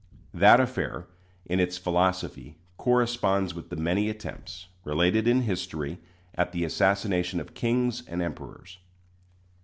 That affair, in its philosophy, corresponds with the many attempts, related in history, at the assassination of kings and emperors.